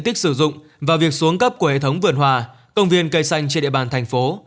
tích sử dụng và việc xuống cấp của hệ thống vườn hòa công viên cây xanh trên địa bàn thành phố